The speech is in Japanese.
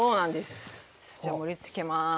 じゃあ盛りつけます。